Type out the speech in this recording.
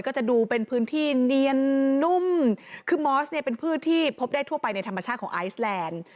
ก็จะดูเป็นพื้นที่เนียนนุ่มคือมอสเนี่ยเป็นพื้นที่พบได้ทั่วไปในธรรมชาติของไอซแลนด์